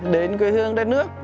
đến quê hương đất nước